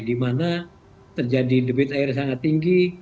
di mana terjadi debit air sangat tinggi